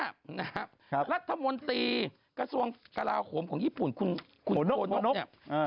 นะครับรัฐมนตรีกระทรวงกราโฮมของญี่ปุ่นคุณโคโน๊กเนี่ย